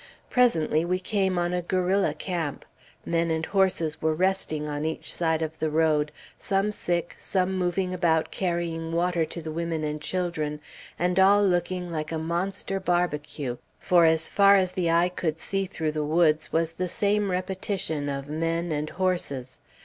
Presently we came on a guerrilla camp. Men and horses were resting on each side of the road, some sick, some moving about carrying water to the women and children, and all looking like a monster barbecue, for as far as the eye could see through the woods, was the same repetition of men and horses.